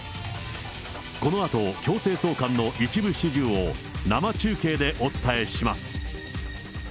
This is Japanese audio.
このあと、強制送還の一部始終を生中継でお伝えします。